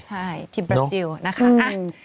ใช่ทีมบราซิลนะคะ